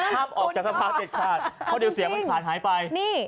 ห้ามออกจากสภาเด็ดขาดเพราะเดี๋ยวเสียงมันขาดหายไป